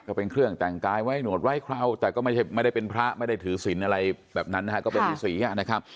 ก็เป็นเครื่องแต่งกายไว้หนวดไว้คราวแต่ก็ไม่ได้เป็นพระไม่ได้ถือศิลป์อะไรแบบนั้นนะฮะก็เป็นฤษีนะครับ